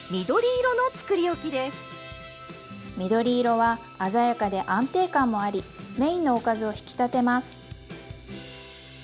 緑色は鮮やかで安定感もありメインのおかずを引き立てます。